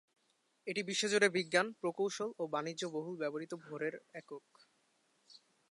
এটি বিশ্বজুড়ে বিজ্ঞান, প্রকৌশল ও বাণিজ্যে বহুল ব্যবহৃত ভরের একক।